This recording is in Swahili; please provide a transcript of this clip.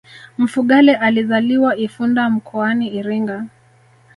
mfugale alizaliwa ifunda mkoani iringa